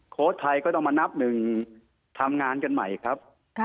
โค้ดไทก็ต้องมานับ๑ทำงานกันใหม่ครับ